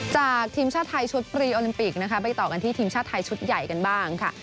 จากทีมชาติไทยชุดปรีโอลิมปิกนะคะไปต่อกันที่ทีมชาติไทยชุดใหญ่กันบ้างค่ะ